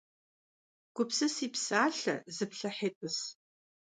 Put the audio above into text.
Gupsısi psalhe, zıplhıhi t'ıs.